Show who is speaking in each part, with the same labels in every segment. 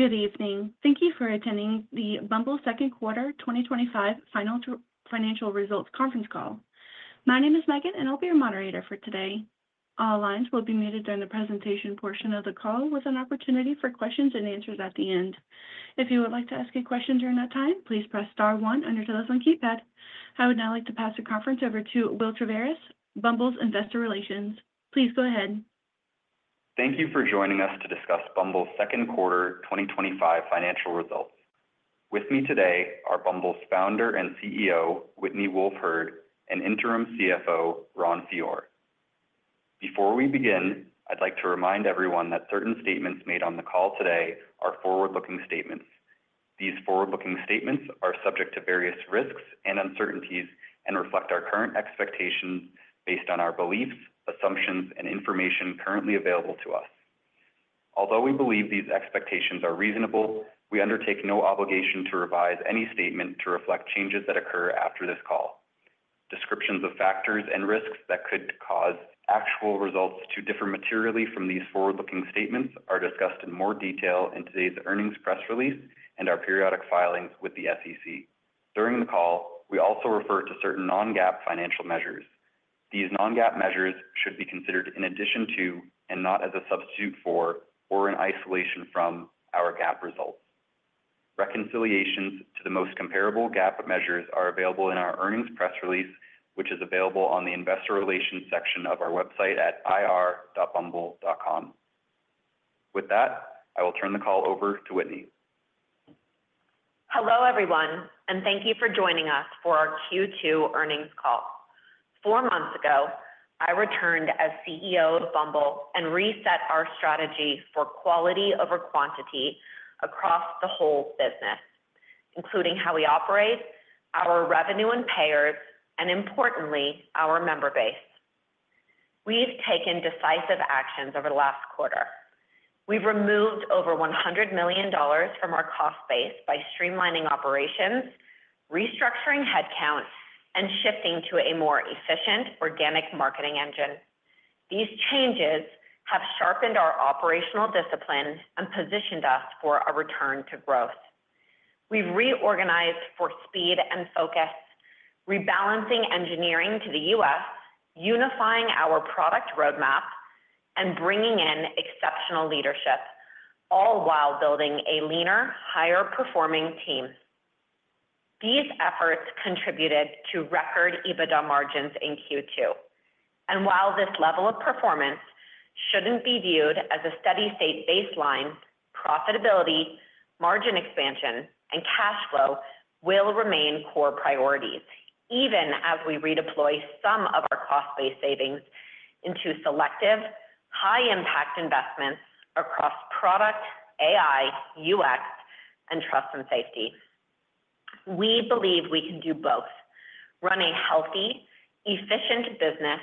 Speaker 1: Good evening. Thank you for attending the Bumble Second Quarter 2025 Financial Results Conference call. My name is Megan, and I'll be your moderator for today. All lines will be muted during the presentation portion of the call, with an opportunity for questions and answers at the end. If you would like to ask a question during that time, please press star one on the left keypad. I would now like to pass the conference over to Will Taveras, Bumble's Investor Relations. Please go ahead.
Speaker 2: Thank you for joining us to discuss Bumble's Second Quarter 2025 Financial Results. With me today are Bumble's Founder and CEO, Whitney Wolfe Herd, and Interim CFO, Ronald J. Fior. Before we begin, I'd like to remind everyone that certain statements made on the call today are forward-looking statements. These forward-looking statements are subject to various risks and uncertainties and reflect our current expectations based on our beliefs, assumptions, and information currently available to us. Although we believe these expectations are reasonable, we undertake no obligation to revise any statement to reflect changes that occur after this call. Descriptibumons of factors and risks that could cause actual results to differ materially from these forward-looking statements are discussed in more detail in today's earnings press release and our periodic filings with the SEC. During the call, we also refer to certain non-GAAP financial measures. These non-GAAP measures should be considered in addition to, and not as a substitute for, or in isolation from, our GAAP results. Reconciliations to the most comparable GAAP measures are available in our earnings press release, which is available on the Investor Relations section of our website at ir.bumble.com. With that, I will turn the call over to Whitney.
Speaker 3: Hello, everyone, and thank you for joining us for our Q2 earnings call. Four months ago, I returned as CEO of Bumble and reset our strategy for quality over quantity across the whole business, including how we operate, our revenue and payers, and importantly, our member base. We've taken decisive actions over the last quarter. We've removed over $100 million from our cost base by streamlining operations, restructuring headcount, and shifting to a more efficient organic marketing engine. These changes have sharpened our operational discipline and positioned us for a return to growth. We've reorganized for speed and focus, rebalancing engineering to the U.S., unifying our product roadmap, and bringing in exceptional leadership, all while building a leaner, higher-performing team. These efforts contributed to record EBITDA margins in Q2. While this level of performance shouldn't be viewed as a steady-state baseline, profitability, margin expansion, and cash flow will remain core priorities, even as we redeploy some of our cost-based savings into selective, high-impact investments across product, AI, UX, and Trust and Safety. We believe we can do both: run a healthy, efficient business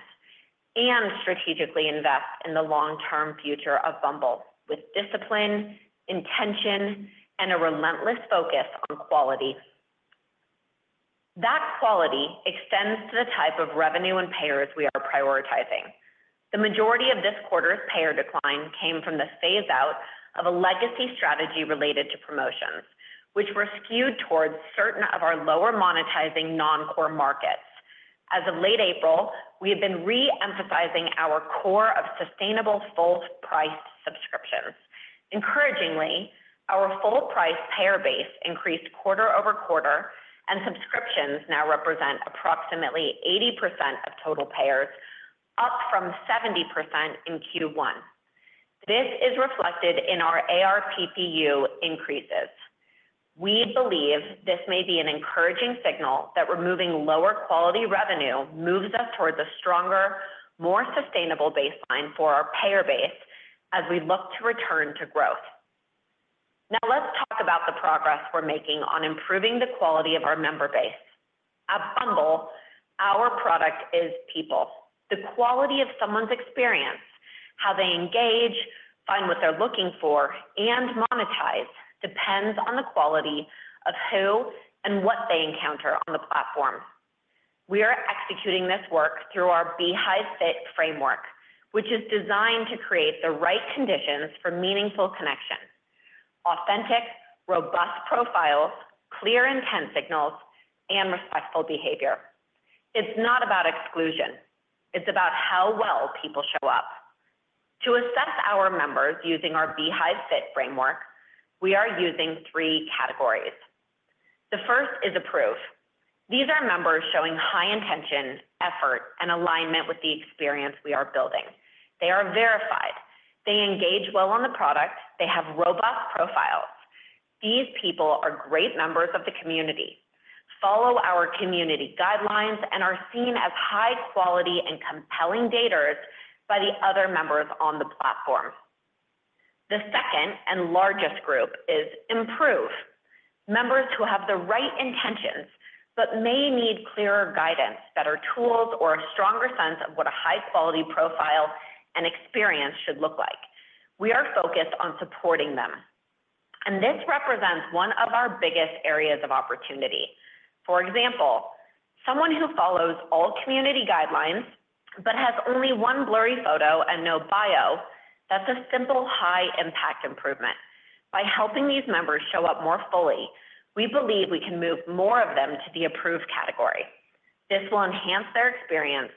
Speaker 3: and strategically invest in the long-term future of Bumble with discipline, intention, and a relentless focus on quality. That quality extends to the type of revenue and payers we are prioritizing. The majority of this quarter's payer decline came from the phase-out of a legacy strategy related to promotions, which were skewed towards certain of our lower monetizing non-core markets. As of late April, we have been re-emphasizing our core of sustainable full-priced subscriptions. Encouragingly, our full-priced payer base increased quarter over quarter, and subscriptions now represent approximately 80% of total payers, up from 70% in Q1. This is reflected in our ARPPU increases. We believe this may be an encouraging signal that removing lower quality revenue moves us towards a stronger, more sustainable baseline for our payer base as we look to return to growth. Now let's talk about the progress we're making on improving the quality of our member base. At Bumble, our product is people. The quality of someone's experience, how they engage, find what they're looking for, and monetize depends on the quality of who and what they encounter on the platform. We are executing this work through our Be High Fit framework, which is designed to create the right conditions for meaningful connection: authentic, robust profiles, clear intent signals, and respectful behavior. It's not about exclusion. It's about how well people show up. To assess our members using our Be High Fit framework, we are using three categories. The first is approved. These are members showing high intention, effort, and alignment with the experience we are building. They are verified. They engage well on the product. They have robust profiles. These people are great members of the community, follow our community guidelines, and are seen as high-quality and compelling daters by the other members on the platform. The second and largest group is improved. Members who have the right intentions but may need clearer guidance, better tools, or a stronger sense of what a high-quality profile and experience should look like. We are focused on supporting them. This represents one of our biggest areas of opportunity. For example, someone who follows all community guidelines but has only one blurry photo and no bio, that's a simple high-impact improvement. By helping these members show up more fully, we believe we can move more of them to the approved category. This will enhance their experience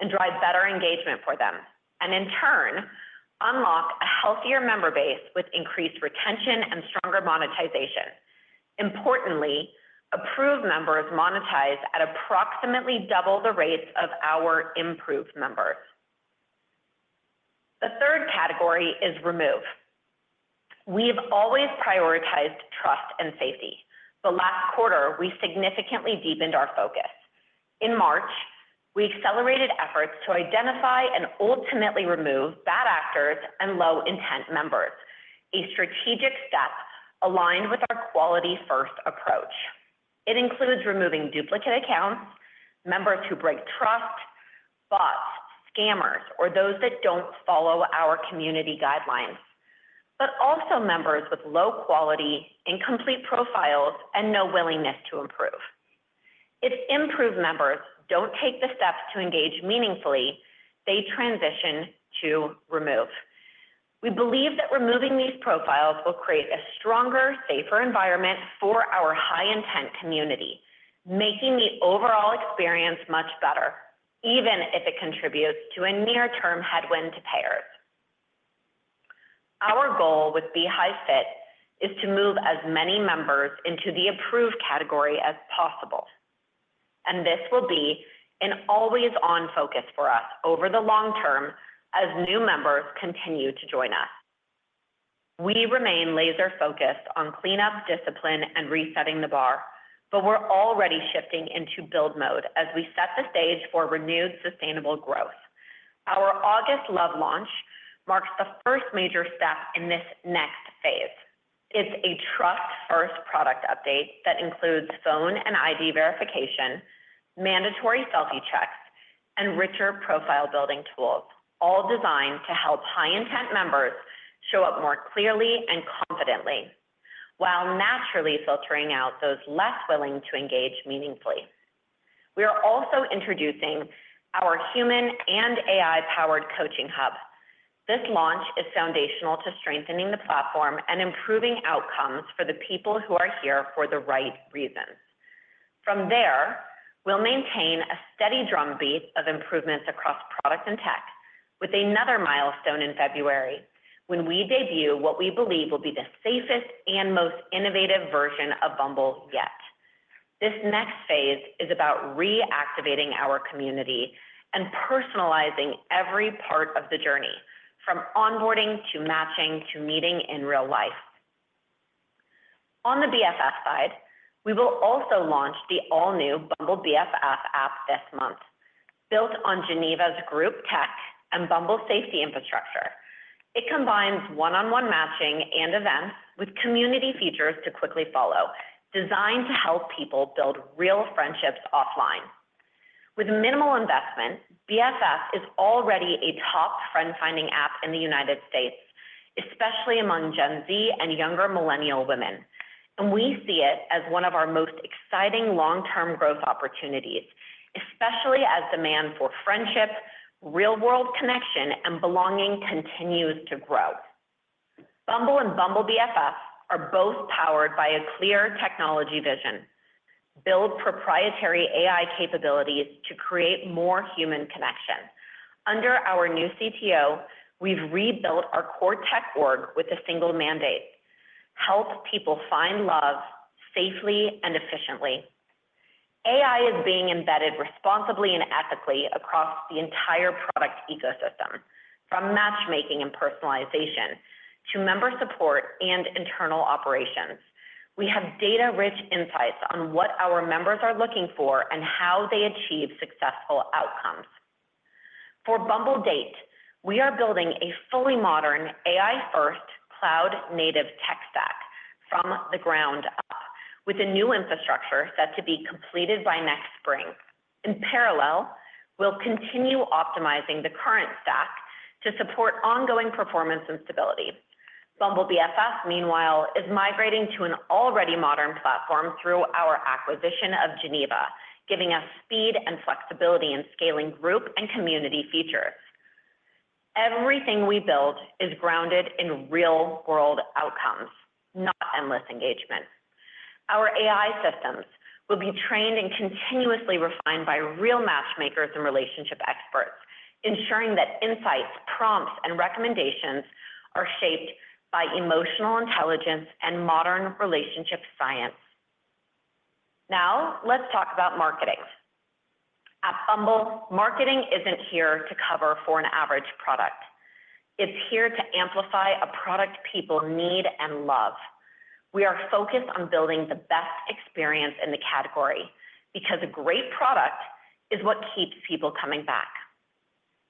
Speaker 3: and drive better engagement for them, and in turn, unlock a healthier member base with increased retention and stronger monetization. Importantly, approved members monetize at approximately double the rates of our improved members. The third category is remove. We've always prioritized Trust and Safety. The last quarter, we significantly deepened our focus. In March, we accelerated efforts to identify and ultimately remove bad actors and low-intent members, a strategic step aligned with our quality-first approach. It includes removing duplicate accounts, members who break trust, bots, scammers, or those that don't follow our community guidelines, but also members with low quality, incomplete profiles, and no willingness to improve. If improved members don't take the steps to engage meaningfully, they transition to remove. We believe that removing these profiles will create a stronger, safer environment for our high-intent community, making the overall experience much better, even if it contributes to a near-term headwind to payers. Our goal with Be High Fit is to move as many members into the approved category as possible. This will be an always-on focus for us over the long term as new members continue to join us. We remain laser-focused on cleanup, discipline, and resetting the bar, but we're already shifting into build mode as we set the stage for renewed sustainable growth. Our August love launch marks the first major step in this next phase. It's a trust-first product update that includes phone and ID verification, mandatory selfie checks, and richer profile-building tools, all designed to help high-intent members show up more clearly and confidently, while naturally filtering out those less willing to engage meaningfully. We are also introducing our human and AI-powered coaching hub. This launch is foundational to strengthening the platform and improving outcomes for the people who are here for the right reasons. From there, we'll maintain a steady drumbeat of improvements across product and tech, with another milestone in February when we debut what we believe will be the safest and most innovative version of Bumble yet. This next phase is about reactivating our community and personalizing every part of the journey, from onboarding to matching to meeting in real life. On the BFF side, we will also launch the all-new Bumble BFF app this month, built on Geneva's group tech and Bumble safety infrastructure. It combines one-on-one matching and events with community features to quickly follow, designed to help people build real friendships offline. With minimal investment, BFF is already a top friend-finding app in the United States., especially among Gen Z and younger millennial women. We see it as one of our most exciting long-term growth opportunities, especially as demand for friendship, real-world connection, and belonging continues to grow. Bumble and Bumble BFF are both powered by a clear technology vision: build proprietary AI capabilities to create more human connection. Under our new CTO, we've rebuilt our core tech org with a single mandate: help people find love safely and efficiently. AI is being embedded responsibly and ethically across the entire product ecosystem, from matchmaking and personalization to member support and internal operations. We have data-rich insights on what our members are looking for and how they achieve successful outcomes. For Bumble Date, we are building a fully modern, AI-first, cloud-native tech stack from the ground up, with a new infrastructure set to be completed by next spring. In parallel, we'll continue optimizing the current stack to support ongoing performance and stability. Bumble BFF, meanwhile, is migrating to an already modern platform through our acquisition of Geneva, giving us speed and flexibility in scaling group and community features. Everything we build is grounded in real-world outcomes, not endless engagement. Our AI systems will be trained and continuously refined by real matchmakers and relationship experts, ensuring that insights, prompts, and recommendations are shaped by emotional intelligence and modern relationship science. Now let's talk about marketing. At Bumble, marketing isn't here to cover for an average product. It's here to amplify a product people need and love. We are focused on building the best experience in the category because a great product is what keeps people coming back.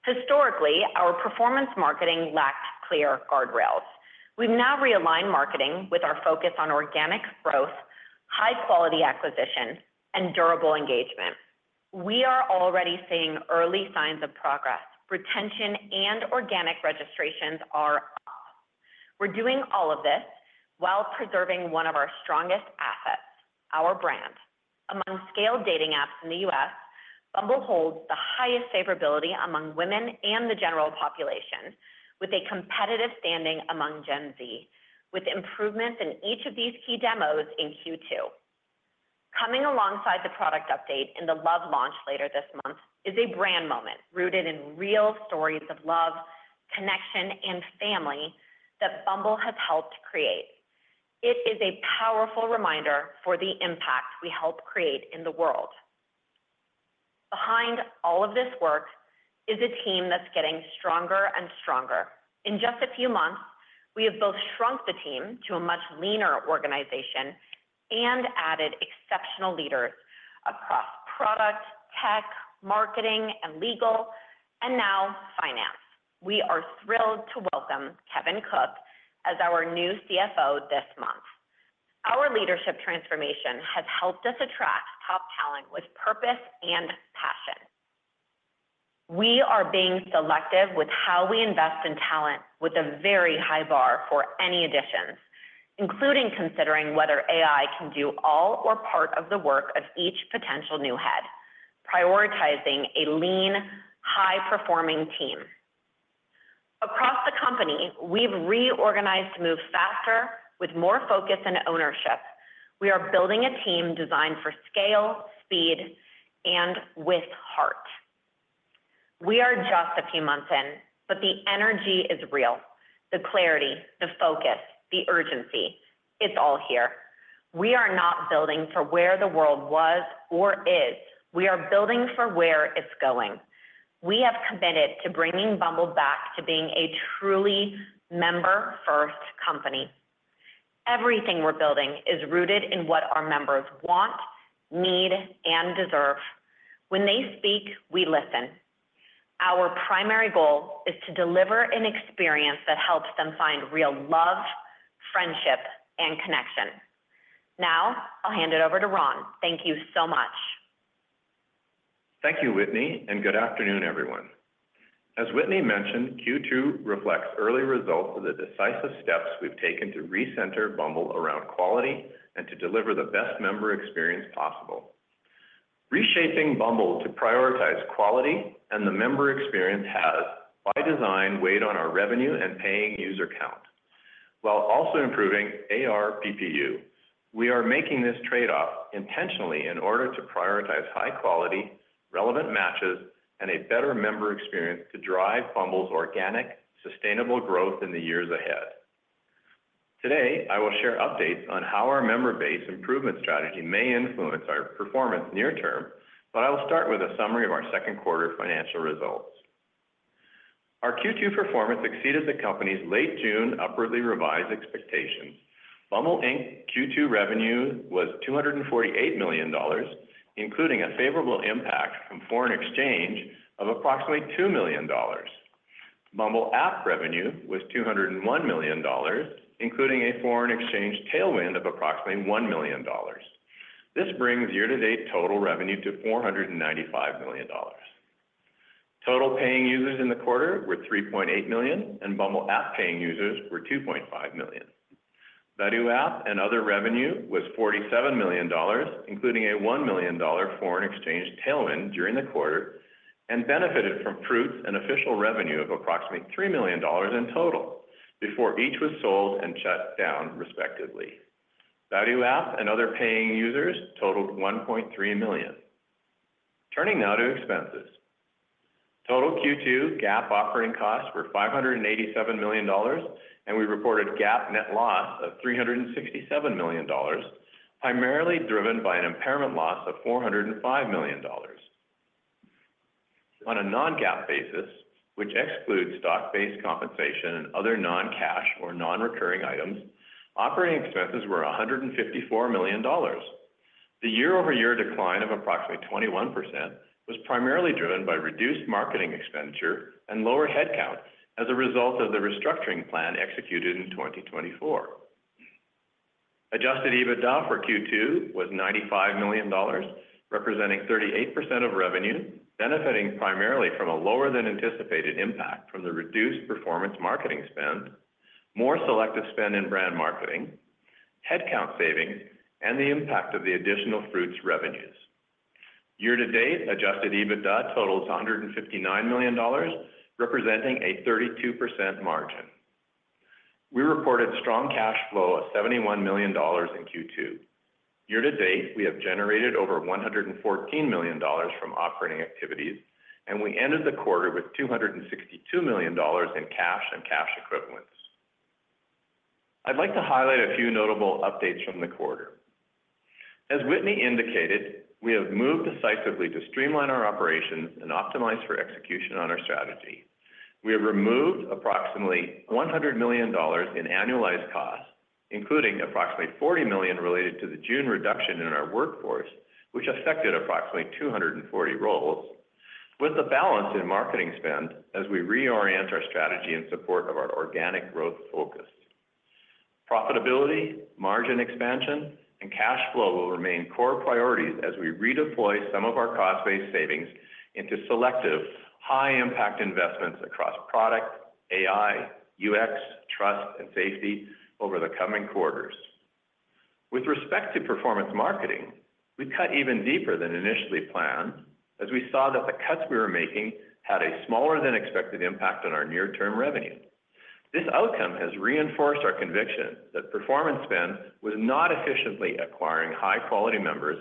Speaker 3: Historically, our performance marketing lacked clear guardrails. We've now realigned marketing with our focus on organic growth, high-quality acquisition, and durable engagement. We are already seeing early signs of progress. Retention and organic registrations are up. We're doing all of this while preserving one of our strongest assets: our brand. Among scaled dating apps in the U.S., Bumble holds the highest favorability among women and the general population, with a competitive standing among Gen Z, with improvements in each of these key demos in Q2. Coming alongside the product update in the love launch later this month is a brand moment rooted in real stories of love, connection, and family that Bumble has helped create. It is a powerful reminder for the impact we help create in the world. Behind all of this work is a team that's getting stronger and stronger. In just a few months, we have both shrunk the team to a much leaner organization and added exceptional leaders across product, tech, marketing, and legal, and now finance. We are thrilled to welcome Kevin Cook as our new CFO this month. Our leadership transformation has helped us attract top talent with purpose and passion. We are being selective with how we invest in talent with a very high bar for any additions, including considering whether AI can do all or part of the work of each potential new head, prioritizing a lean, high-performing team. Across the company, we've reorganized moves faster with more focus and ownership. We are building a team designed for scale, speed, and with heart. We are just a few months in, but the energy is real. The clarity, the focus, the urgency, it's all here. We are not building for where the world was or is. We are building for where it's going. We have committed to bringing Bumble back to being a truly member-first company. Everything we're building is rooted in what our members want, need, and deserve. When they speak, we listen. Our primary goal is to deliver an experience that helps them find real love, friendship, and connection. Now I'll hand it over to Ron. Thank you so much.
Speaker 4: Thank you, Whitney, and good afternoon, everyone. As Whitney mentioned, Q2 reflects early results of the decisive steps we've taken to recenter Bumble around quality and to deliver the best member experience possible. Reshaping Bumble to prioritize quality and the member experience has by design weighed on our revenue and paying user count. While also improving ARPPU, we are making this trade-off intentionally in order to prioritize high quality, relevant matches, and a better member experience to drive Bumble's organic, sustainable growth in the years ahead. Today, I will share updates on how our member base improvement strategy may influence our performance near term, but I will start with a summary of our second quarter financial results. Our Q2 performance exceeded the company's late June upwardly revised expectations. Bumble Inc Q2 revenue was $248 million, including a favorable impact from foreign exchange of approximately $2 million. Bumble app revenue was $201 million, including a foreign exchange tailwind of approximately $1 million. This brings year-to-date total revenue to $495 million. Total paying users in the quarter were 3.8 million, and Bumble app paying users were 2.5 million. Badoo app and other revenue was $47 million, including a $1 million foreign exchange tailwind during the quarter and benefited from Fruitz and Official revenue of approximately $3 million in total before each was sold and shut down respectively. Badoo app and other paying users totaled 1.3 million. Turning now to expenses. Total Q2 GAAP operating costs were $587 million, and we reported GAAP net loss of $367 million, primarily driven by an impairment charge of $405 million. On a non-GAAP basis, which excludes stock-based compensation and other non-cash or non-recurring items, operating expenses were $154 million. The year-over-year decline of approximately 21% was primarily driven by reduced marketing expenditure and lower headcount as a result of the restructuring plan executed in 2024. Adjusted EBITDA for Q2 was $95 million, representing 38% of revenue, benefiting primarily from a lower than anticipated impact from the reduced performance marketing spend, more selective spend in brand marketing, headcount savings, and the impact of the additional Fruitz revenues. Year-to-date adjusted EBITDA totals $159 million, representing a 32% margin. We reported strong cash flow of $71 million in Q2. Year-to-date, we have generated over $114 million from operating activities, and we ended the quarter with $262 million in cash and cash equivalents. I'd like to highlight a few notable updates from the quarter. As Whitney indicated, we have moved decisively to streamline our operations and optimize for execution on our strategy. We have removed approximately $100 million in annualized costs, including approximately $40 million related to the June reduction in our workforce, which affected approximately 240 roles, with the balance in marketing spend as we reorient our strategy in support of our organic growth focus. Profitability, margin expansion, and cash flow will remain core priorities as we redeploy some of our cost-based savings into selective, high-impact investments across product, AI, UX, Trust and Safety over the coming quarters. With respect to performance marketing, we cut even deeper than initially planned as we saw that the cuts we were making had a smaller than expected impact on our near-term revenue. This outcome has reinforced our conviction that performance spend was not efficiently acquiring high-quality members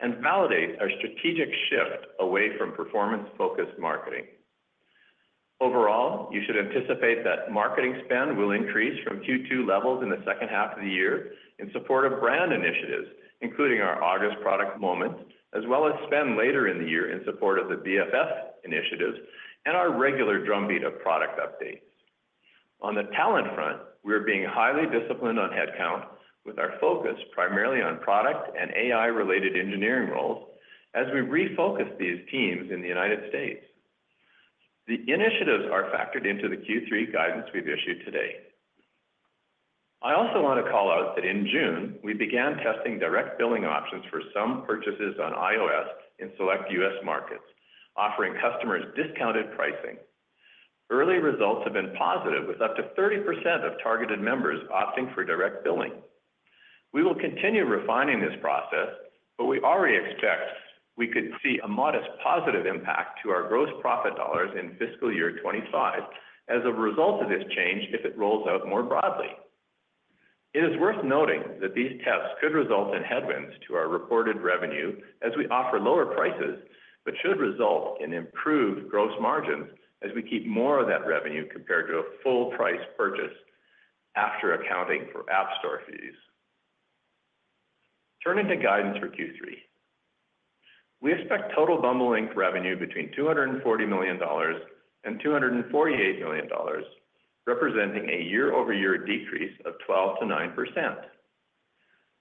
Speaker 4: and validates our strategic shift away from performance-focused marketing. Overall, you should anticipate that marketing spend will increase from Q2 levels in the second half of the year in support of brand initiatives, including our August product moment, as well as spend later in the year in support of the BFF initiatives and our regular drumbeat of product update. On the talent front, we are being highly disciplined on headcount, with our focus primarily on product and AI-related engineering roles as we refocus these teams in the United States. The initiatives are factored into the Q3 guidance we've issued today. I also want to call out that in June, we began testing direct billing options for some purchases on iOS in select U.S. markets, offering customers discounted pricing. Early results have been positive, with up to 30% of targeted members opting for direct billing. We will continue refining this process, but we already expect we could see a modest positive impact to our gross profit dollars in fiscal year 2025 as a result of this change if it rolls out more broadly. It is worth noting that these tests could result in headwinds to our reported revenue as we offer lower prices, but should result in improved gross margins as we keep more of that revenue compared to a full price purchase after accounting for app store fees. Turning to guidance for Q3, we expect total Bumble Inc revenue between $240 million and $248 million, representing a year-over-year decrease of 12%-9%.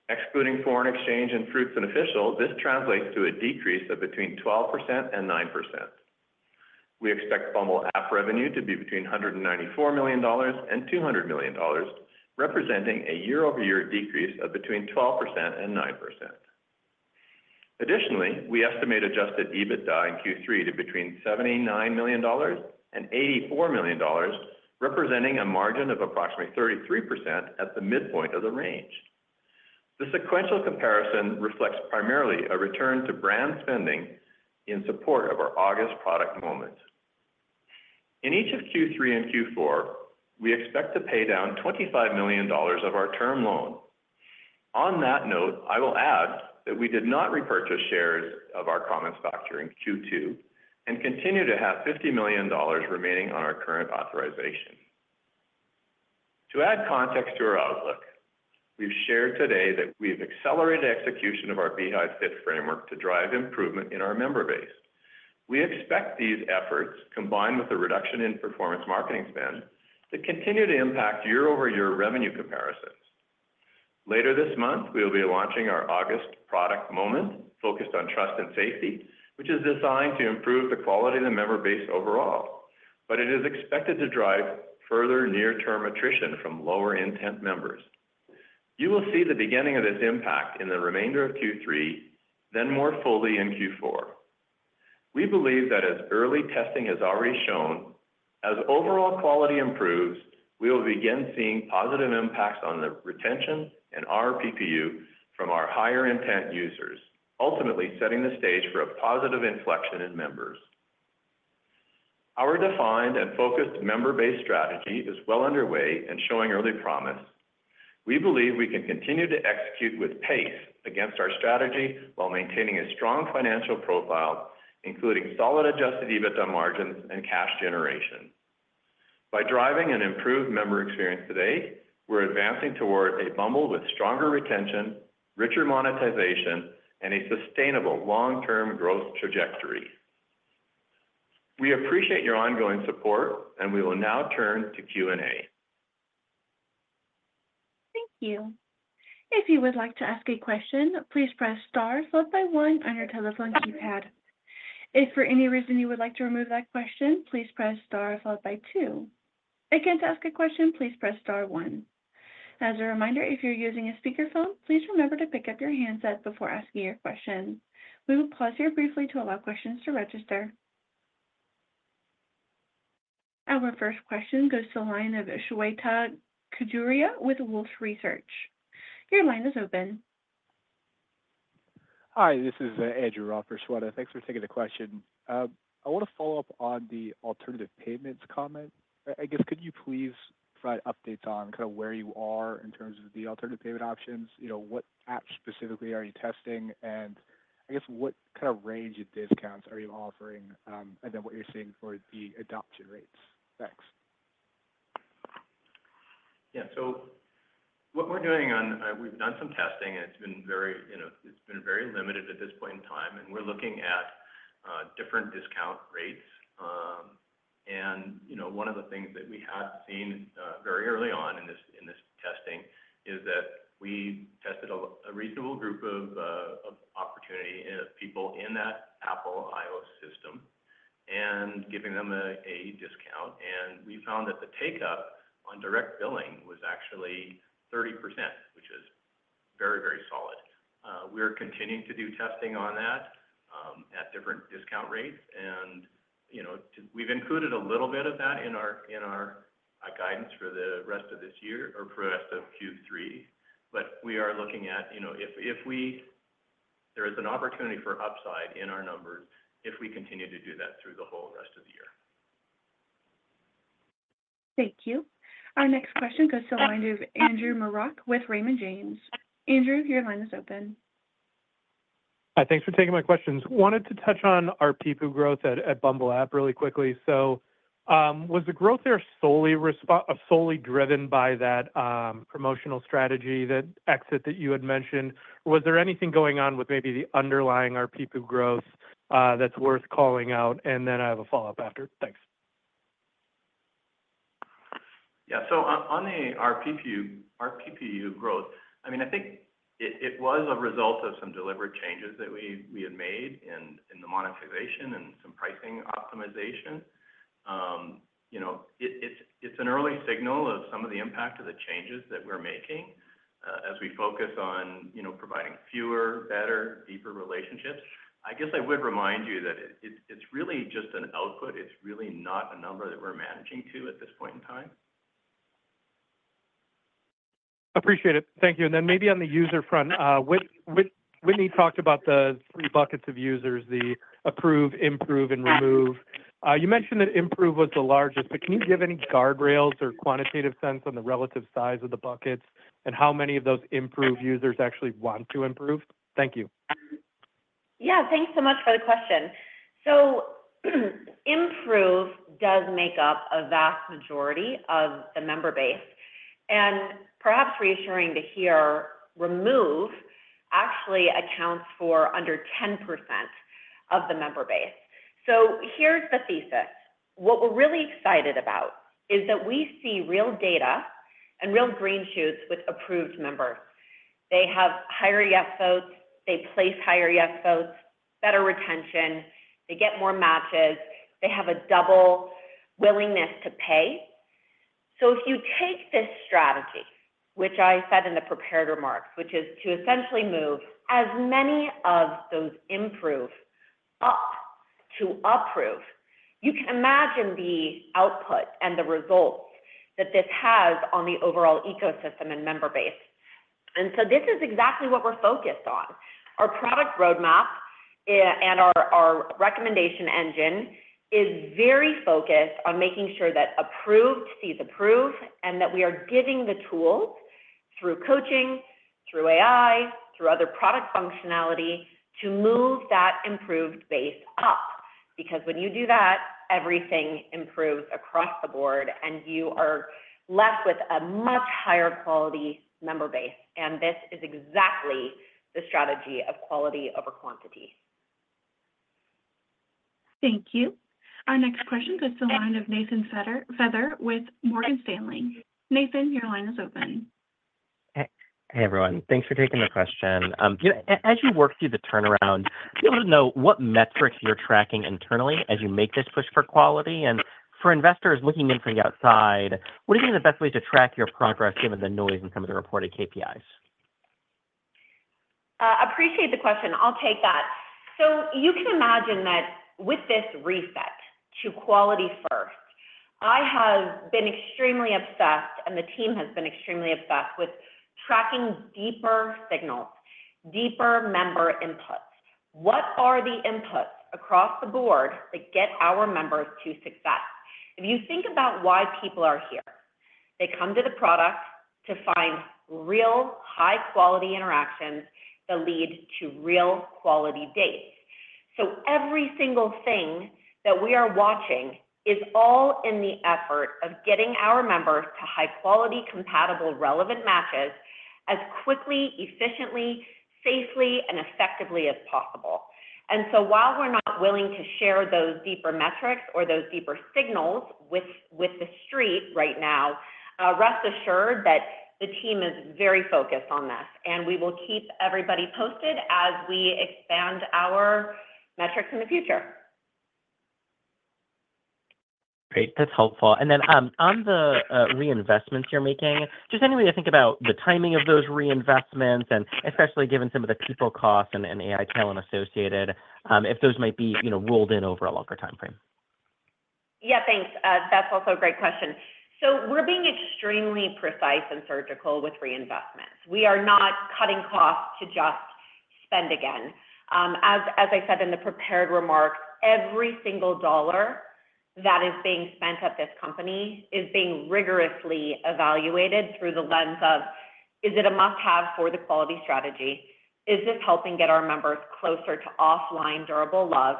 Speaker 4: Excluding foreign exchange and Fruitz and official, this translates to a decrease of between 12% and 9%. We expect Bumble app revenue to be between $194 million and $200 million, representing a year-over-year decrease of between 12% and 9%. Additionally, we estimate adjusted EBITDA in Q3 to be between $79 million and $84 million, representing a margin of approximately 33% at the midpoint of the range. The sequential comparison reflects primarily a return to brand spending in support of our August product moment. In each of Q3 and Q4, we expect to pay down $25 million of our term loan. On that note, I will add that we did not repurchase shares of our common stock in Q2 and continue to have $50 million remaining on our current authorization. To add context to our outlook, we've shared today that we've accelerated execution of our Be High Fit framework to drive improvement in our member base. We expect these efforts, combined with the reduction in performance marketing spend, to continue to impact year-over-year revenue comparisons. Later this month, we will be launching our August product moment focused on Trust and Safety, which is designed to improve the quality of the member base overall, but it is expected to drive further near-term attrition from lower-intent members. You will see the beginning of this impact in the remainder of Q3, then more fully in Q4. We believe that as early testing has already shown, as overall quality improves, we will begin seeing positive impacts on the retention and ARPPU from our higher-intent users, ultimately setting the stage for a positive inflection in members. Our defined and focused member base strategy is well underway and showing early promise. We believe we can continue to execute with pace against our strategy while maintaining a strong financial profile, including solid adjusted EBITDA margins and cash generation. By driving an improved member experience today, we're advancing toward a Bumble with stronger retention, richer monetization, and a sustainable long-term growth trajectory. We appreciate your ongoing support, and we will now turn to Q&A.
Speaker 1: Thank you. If you would like to ask a question, please press star followed by one on your telephone keypad. If for any reason you would like to remove that question, please press star followed by two. If you can't ask a question, please press star one. As a reminder, if you're using a speakerphone, please remember to pick up your handset before asking your question. We will pause here briefly to allow questions to register. Our first question goes to the line of Shweta Khajuria with Wolfe Research. Your line is open. Hi, this is Andrew for Shweta. Thanks for taking the question. I want to follow up on the alternative payments comment. Could you please provide updates on kind of where you are in terms of the alternative payment options? You know, what apps specifically are you testing? What kind of range of discounts are you offering? What are you seeing for the adoption rates? Thanks.
Speaker 4: What we're doing on, we've done some testing. It's been very limited at this point in time. We're looking at different discount rates. One of the things that we have seen very early on in this testing is that we tested a reasonable group of opportunity people in that Apple iOS system and giving them a discount. We found that the takeout on direct billing was actually 30%, which is very solid. We're continuing to do testing on that at different discount rates. We've included a little bit of that in our guidance for the rest of this year or for the rest of Q3. We are looking at if there is an opportunity for upside in our numbers if we continue to do that through the whole rest of the year.
Speaker 1: Thank you. Our next question goes to the line of Andrew Marok with Raymond James. Andrew, your line is open.
Speaker 5: Hi, thanks for taking my questions. I wanted to touch on our people growth at Bumble app really quickly. Was the growth there solely driven by that promotional strategy, that exit that you had mentioned? Was there anything going on with maybe the underlying ARPPU growth that's worth calling out? I have a follow-up after. Thanks.
Speaker 4: Yeah, on the ARPPU growth, I think it was a result of some deliberate changes that we had made in the monetization and some pricing optimization. It's an early signal of some of the impact of the changes that we're making as we focus on providing fewer, better, deeper relationships. I would remind you that it's really just an output. It's really not a number that we're managing to at this point in time.
Speaker 5: Appreciate it. Thank you. Whitney talked about the three buckets of users: the approve, improve, and remove. You mentioned that improve was the largest, but can you give any guardrails or quantitative sense on the relative size of the buckets and how many of those improved users actually want to improve? Thank you.
Speaker 3: Yeah, thanks so much for the question. Improve does make up a vast majority of the member base. Perhaps reassuring to hear, remove actually accounts for under 10% of the member base. Here’s the thesis. What we're really excited about is that we see real data and real green shoots with approved members. They have higher YES votes, they place higher YES votes, better retention, they get more matches, they have a double willingness to pay. If you take this strategy, which I said in the prepared remarks, which is to essentially move as many of those improved to approve, you can imagine the output and the results that this has on the overall ecosystem and member base. This is exactly what we're focused on. Our product roadmap and our recommendation engine is very focused on making sure that approved sees approved and that we are giving the tool through coaching, through AI, through other product functionality to move that improved base up. Because when you do that, everything improves across the board and you are left with a much higher quality member base. This is exactly the strategy of quality over quantity.
Speaker 1: Thank you. Our next question goes to the line of Nathan Feather with Morgan Stanley. Nathan, your line is open.
Speaker 6: Hey, everyone. Thanks for taking the question. As you work through the turnaround, I'd like to know what metrics you're tracking internally as you make this push for quality. For investors looking in from the outside, what do you think are the best ways to track your progress given the noise and some of the reported KPIs?
Speaker 3: Appreciate the question. I'll take that. You can imagine that with this reset to quality first, I have been extremely obsessed and the team has been extremely obsessed with tracking deeper signals, deeper member inputs. What are the inputs across the board that get our members to success? If you think about why people are here, they come to the product to find real, high-quality interactions that lead to real quality data. Every single thing that we are watching is all in the effort of getting our members to high-quality, compatible, relevant matches as quickly, efficiently, safely, and effectively as possible. While we're not willing to share those deeper metrics or those deeper signals with the street right now, rest assured that the team is very focused on this. We will keep everybody posted as we expand our metrics in the future.
Speaker 6: Great. That's helpful. Is there any way to think about the timing of those reinvestments, especially given some of the people costs and AI talent associated, if those might be rolled in over a longer timeframe?
Speaker 3: Yeah, thanks. That's also a great question. We're being extremely precise and surgical with reinvestment. We are not cutting costs to just spend again. As I said in the prepared remarks, every single dollar that is being spent at this company is being rigorously evaluated through the lens of, is it a must-have for the quality strategy? Is this helping get our members closer to offline durable love?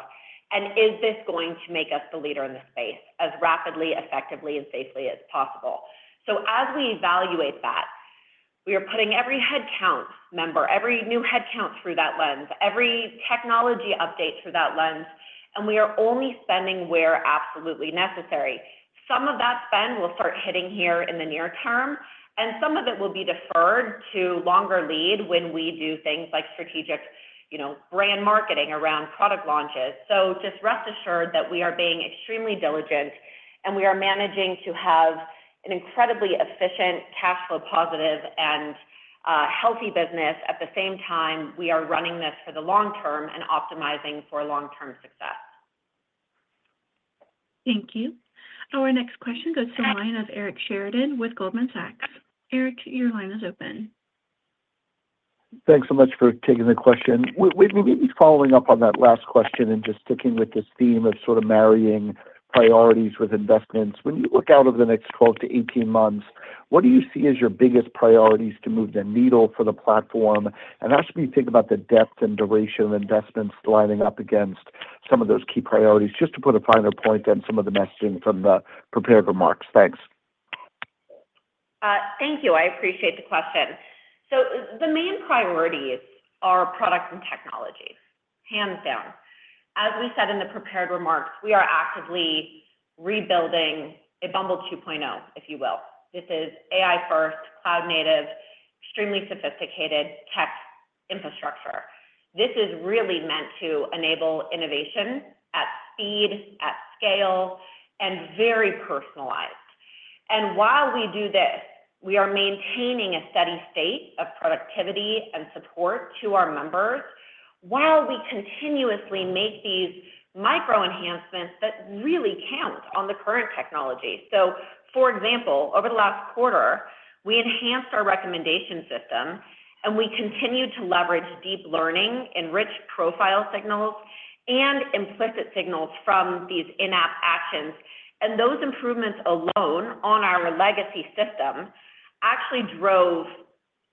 Speaker 3: Is this going to make us the leader in the space as rapidly, effectively, and safely as possible? As we evaluate that, we are putting every headcount member, every new headcount through that lens, every technology update through that lens, and we are only spending where absolutely necessary. Some of that spend will start hitting here in the near term, and some of it will be deferred to longer lead when we do things like strategic brand marketing around product launches. Just rest assured that we are being extremely diligent and we are managing to have an incredibly efficient, cash-flow-positive, and healthy business. At the same time, we are running this for the long term and optimizing for long-term success.
Speaker 1: Thank you. Our next question goes to the line of Eric Sheridan with Goldman Sachs. Eric, your line is open.
Speaker 7: Thanks so much for taking the question. Whitney, maybe following up on that last question and just sticking with this theme of sort of marrying priorities with investments. When you look out over the next 12 to 18 months, what do you see as your biggest priorities to move the needle for the platform? When you think about the depth and duration of investments lining up against some of those key priorities, just to put a finer point on some of the messaging from the prepared remarks. Thanks.
Speaker 3: Thank you. I appreciate the question. The main priorities are product and technology, hands down. As we said in the prepared remarks, we are actively rebuilding a Bumble 2.0, if you will. This is AI-first, cloud-native, extremely sophisticated tech infrastructure. This is really meant to enable innovation at speed, at scale, and very personalized. While we do this, we are maintaining a steady state of productivity and support to our members while we continuously make these micro-enhancements that really count on the current technology. For example, over the last quarter, we enhanced our recommendation system and we continue to leverage deep learning, enriched profile signals, and implicit signals from these in-app actions. Those improvements alone on our legacy system actually drove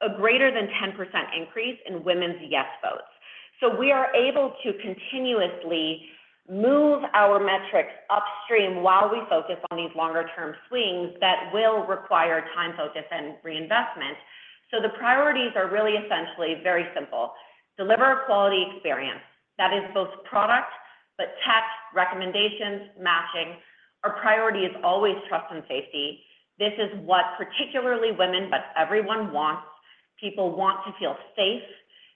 Speaker 3: a greater than 10% increase in women's YES votes. We are able to continuously move our metrics upstream while we focus on these longer-term swings that will require time, focus, and reinvestment. The priorities are really essentially very simple. Deliver a quality experience. That is both product, but tech, recommendations, matching. Our priority is always Trust and Safety. This is what particularly women, but everyone wants. People want to feel safe.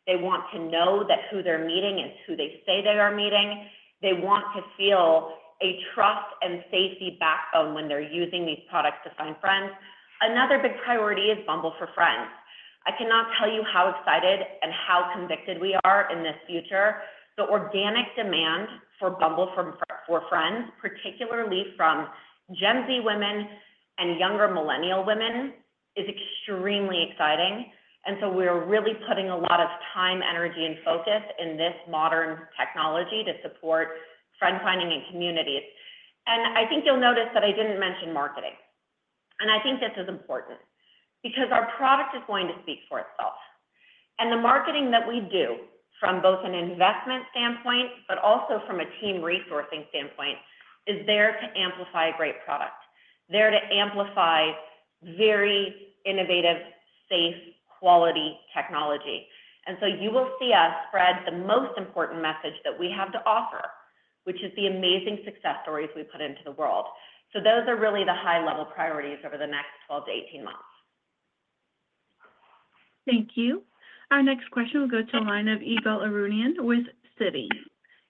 Speaker 3: They want to know that who they're meeting is who they say they are meeting. They want to feel a Trust and Safety backbone when they're using these products to find friends. Another big priority is Bumble for Friends. I cannot tell you how excited and how convicted we are in this future. The organic demand for Bumble for Friends, particularly from Gen Z women and younger millennial women, is extremely exciting. We are really putting a lot of time, energy, and focus in this modern technology to support friend-finding and communities. I think you'll notice that I didn't mention marketing. I think this is important because our product is going to speak for itself. The marketing that we do from both an investment standpoint, but also from a team resourcing standpoint, is there to amplify a great product, there to amplify very innovative, safe, quality technology. You will see us spread the most important message that we have to offer, which is the amazing success stories we put into the world. Those are really the high-level priorities over the next 12-18 months.
Speaker 1: Thank you. Our next question will go to a line of Ygal Arounian with Citi.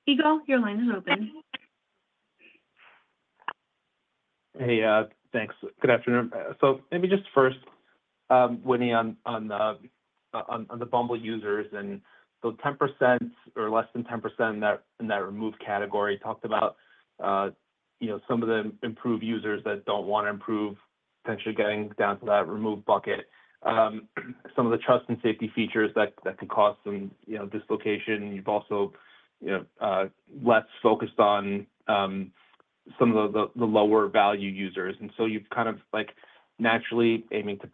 Speaker 1: Ygal, your line is open.
Speaker 8: Hey, thanks. Good afternoon. Maybe just first, Whitney, on the Bumble users and the 10% or less than 10% in that remove category, you talked about some of the improved users that don't want to improve, potentially getting down to that remove bucket. Some of the Trust and Safety features can cause some dislocation. You've also less focused on some of the lower value users, and you've kind of naturally aiming to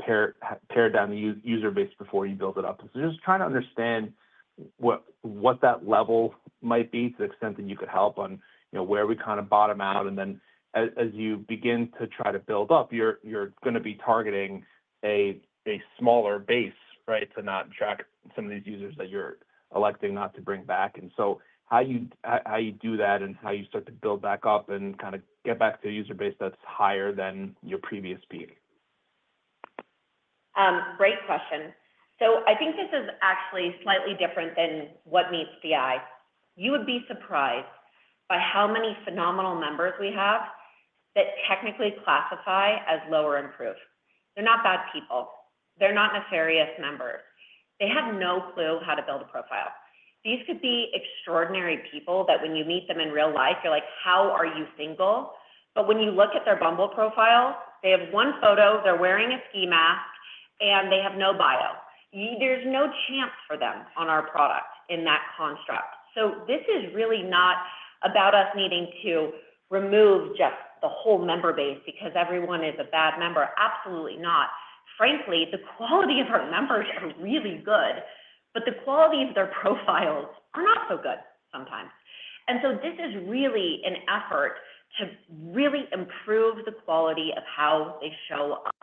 Speaker 8: pare down the user base before you build it up. Just trying to understand what that level might be to the extent that you could help on where we kind of bottom out. As you begin to try to build up, you're going to be targeting a smaller base, right, to not track some of these users that you're electing not to bring back. How you do that and how you start to build back up and kind of get back to a user base that's higher than your previous peak.
Speaker 3: Great question. I think this is actually slightly different than what meets the eye. You would be surprised by how many phenomenal members we have that technically classify as lower improved. They're not bad people. They're not nefarious members. They have no clue how to build a profile. These could be extraordinary people that when you meet them in real life, you're like, how are you single? When you look at their Bumble profile, they have one photo, they're wearing a ski mask, and they have no bio. There's no chance for them on our product in that construct. This is really not about us needing to remove just the whole member base because everyone is a bad member. Absolutely not. Frankly, the quality of our members is really good, but the quality of their profiles is not so good sometimes. This is really an effort to improve the quality of how they show up,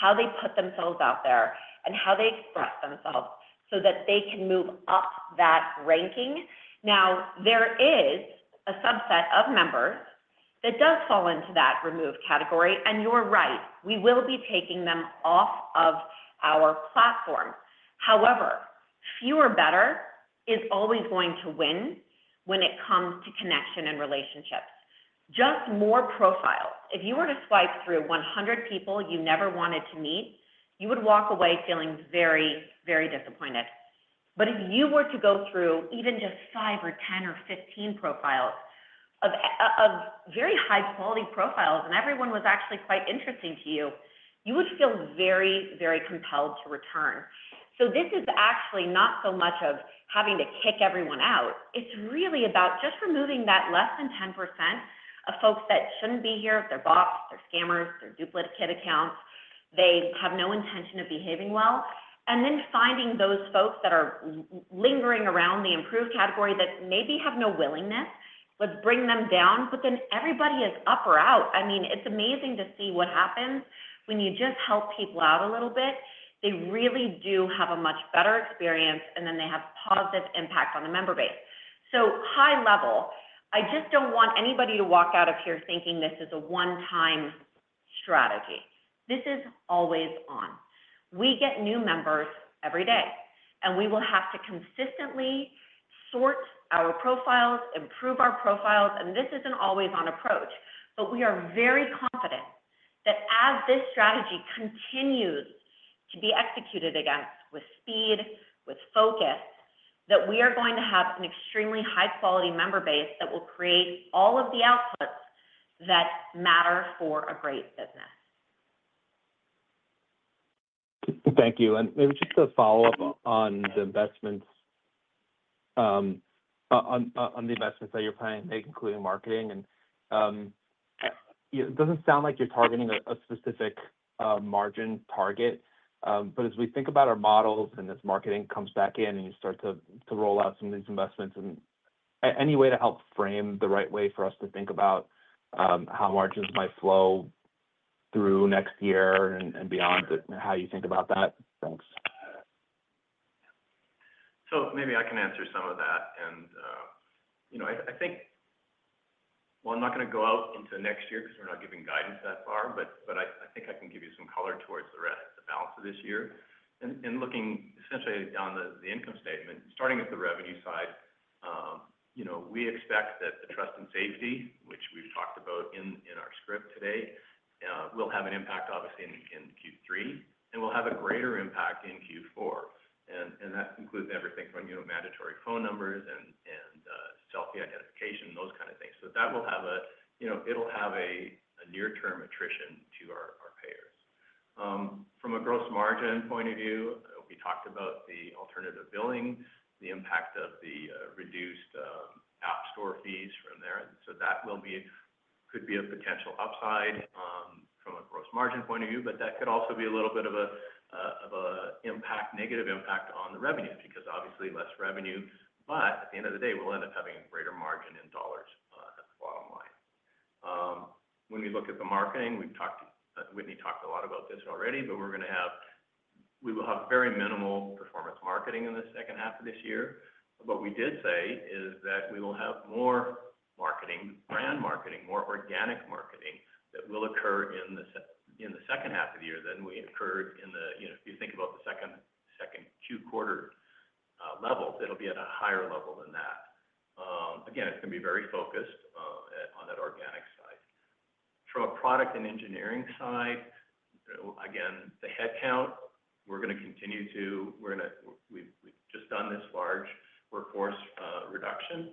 Speaker 3: how they put themselves out there, and how they express themselves so that they can move up that ranking. There is a subset of members that does fall into that remove category, and you're right. We will be taking them off of our platform. However, fewer better is always going to win when it comes to connection and relationships. Just more profiles. If you were to swipe through 100 people you never wanted to meet, you would walk away feeling very, very disappointed. If you were to go through even just 5 or 10 or 15 profiles of very high-quality profiles and everyone was actually quite interesting to you, you would feel very, very compelled to return. This is actually not so much of having to kick everyone out. It's really about just removing that less than 10% of folks that shouldn't be here, their bots, their scammers, their duplicate accounts. They have no intention of behaving well. Finding those folks that are lingering around the improved category that maybe have no willingness, let's bring them down. Then everybody is up or out. It's amazing to see what happens when you just help people out a little bit. They really do have a much better experience, and then they have positive impact on the member base. High level, I just don't want anybody to walk out of here thinking this is a one-time strategy. This is always on. We get new members every day, and we will have to consistently sort our profiles, improve our profiles. This is an always-on approach. We are very confident that as this strategy continues to be executed against with speed, with focus, we are going to have an extremely high-quality member base that will create all of the outputs that matter for a great business.
Speaker 8: Thank you. Maybe just a follow-up on the investments that you're planning to make, including marketing. It doesn't sound like you're targeting a specific margin target. As we think about our models and this marketing comes back in and you start to roll out some of these investments, any way to help frame the right way for us to think about how margins might flow through next year and beyond, how you think about that? Thanks.
Speaker 4: Maybe I can answer some of that. I think, I'm not going to go out into next year because we're not giving guidance that far, but I think I can give you some color towards the rest of the balance of this year. Looking essentially down the income statement, starting with the revenue side, we expect that the Trust and Safety, which we've talked about in our script today, will have an impact, obviously, in Q3, and will have a greater impact in Q4. That includes everything from mandatory phone numbers and self-identification, those kinds of things. That will have a near-term attrition to our payers. From a gross margin point of view, we talked about the alternative billing, the impact of the reduced app store fees from there. That could be a potential upside from a gross margin point of view, but that could also be a little bit of a negative impact on the revenue because obviously less revenue. At the end of the day, we'll end up having a greater margin in dollars at the bottom line. When we look at the marketing, Whitney talked a lot about this already, but we will have very minimal performance marketing in the second half of this year. What we did say is that we will have more marketing, brand marketing, more organic marketing that will occur in the second half of the year than we occurred in the, if you think about the second, second two-quarter levels, it'll be at a higher level than that. Again, it's going to be very focused on that organic side. From a product and engineering side, again, the headcount, we're going to continue to, we've just done this large workforce reduction.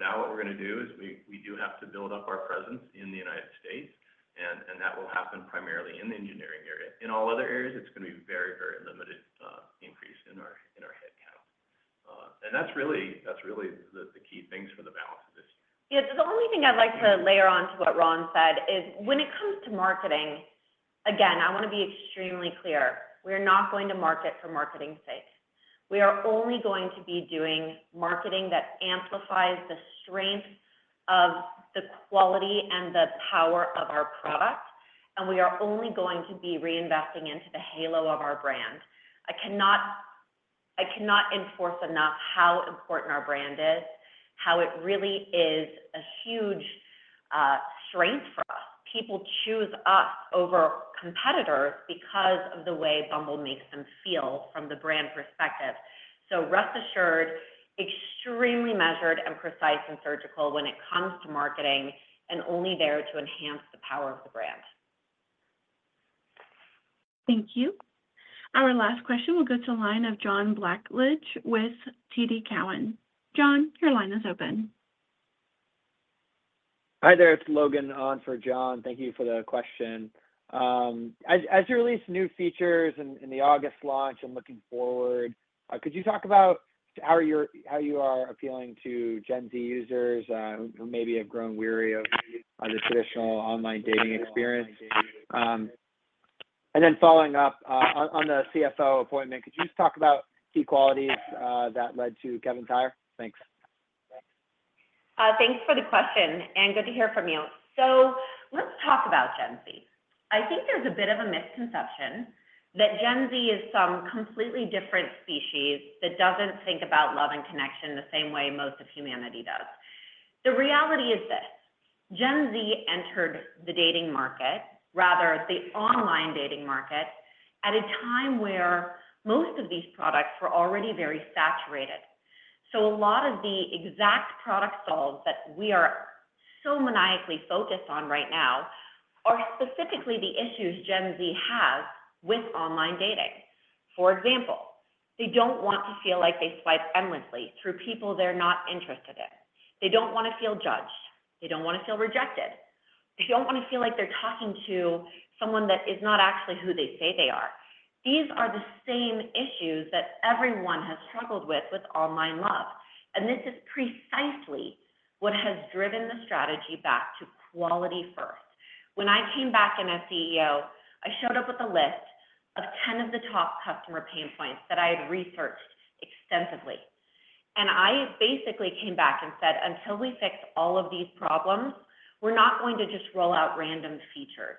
Speaker 4: Now what we're going to do is we do have to build up our presence in the United States, and that will happen primarily in the engineering area. In all other areas, it's going to be a very, very limited increase in our headcount. That's really the key things for the balance of this.
Speaker 3: The only thing I'd like to layer on to what Ron said is when it comes to marketing, again, I want to be extremely clear. We're not going to market for marketing's sake. We are only going to be doing marketing that amplifies the strength of the quality and the power of our product. We are only going to be reinvesting into the halo of our brand. I cannot enforce enough how important our brand is, how it really is a huge strength for us. People choose us over competitors because of the way Bumble makes them feel from the brand perspective. Rest assured, extremely measured and precise and surgical when it comes to marketing and only there to enhance the power of the brand.
Speaker 1: Thank you. Our last question will go to John Blackledge with TD Cowen. John, your line is open. Hi there. It's Logan on for John. Thank you for the question. As you release new features in the August launch and looking forward, could you talk about how you are appealing to Gen Z users who maybe have grown weary of the traditional online dating experience? Following up on the CFO appointment, could you just talk about key qualities that led to Kevin Cook? Thanks.
Speaker 3: Thanks for the question and good to hear from you. Let's talk about Gen Z. I think there's a bit of a misconception that Gen Z is some completely different species that doesn't think about love and connection the same way most of humanity does. The reality is this. Gen Z entered the dating market, rather the online dating market, at a time where most of these products were already very saturated. A lot of the exact product solves that we are so maniacally focused on right now are specifically the issues Gen Z has with online dating. For example, they don't want to feel like they swipe endlessly through people they're not interested in. They don't want to feel judged. They don't want to feel rejected. They don't want to feel like they're talking to someone that is not actually who they say they are. These are the same issues that everyone has struggled with with online love. This is precisely what has driven the strategy back to quality first. When I came back in as CEO, I showed up with a list of 10 of the top customer pain points that I had researched extensively. I basically came back and said, "Until we fix all of these problems, we're not going to just roll out random features."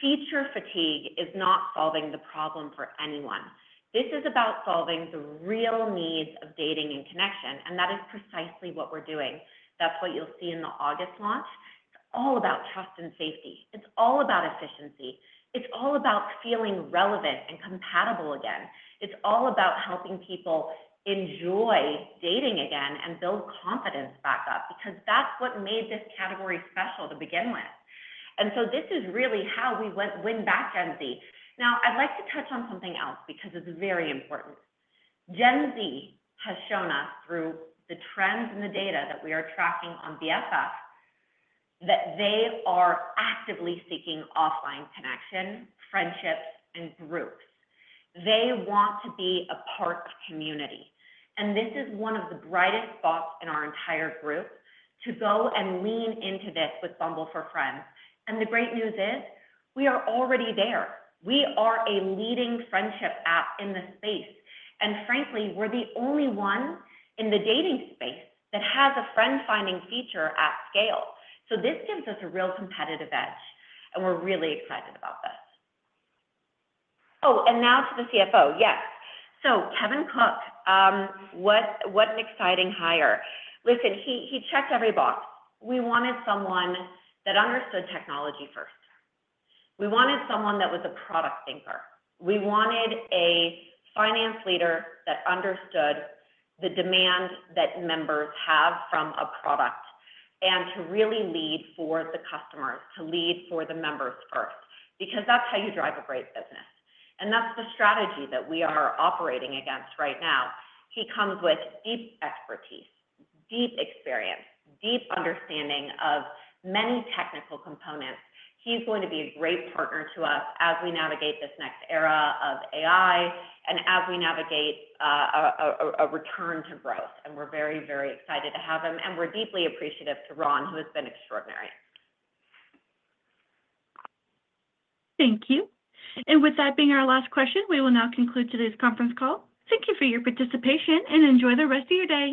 Speaker 3: Feature fatigue is not solving the problem for anyone. This is about solving the real needs of dating and connection, and that is precisely what we're doing. That's what you'll see in the August launch. It's all about Trust and Safety. It's all about efficiency. It's all about feeling relevant and compatible again. It's all about helping people enjoy dating again and build confidence back up because that's what made this category special to begin with. This is really how we win back Gen Z. Now, I'd like to touch on something else because it's very important. Gen Z has shown us through the trends in the data that we are tracking on BFF that they are actively seeking offline connection, friendships, and groups. They want to be a part of community. This is one of the brightest spots in our entire group to go and lean into this with Bumble for Friends. The great news is we are already there. We are a leading friendship app in the space. Frankly, we're the only one in the dating space that has a friend-finding feature at scale. This gives us a real competitive edge, and we're really excited about this. Oh, and now to the CFO. Yes. Kevin Cook, what an exciting hire. Listen, he checked every box. We wanted someone that understood technology first. We wanted someone that was a product thinker. We wanted a finance leader that understood the demand that members have from a product and to really lead for the customers, to lead for the members first, because that's how you drive a great business. That's the strategy that we are operating against right now. He comes with deep expertise, deep experience, deep understanding of many technical components. He's going to be a great partner to us as we navigate this next era of AI and as we navigate a return to growth. We're very, very excited to have him. We're deeply appreciative to Ron, who has been extraordinary.
Speaker 1: Thank you. With that being our last question, we will now conclude today's conference call. Thank you for your participation and enjoy the rest of your day.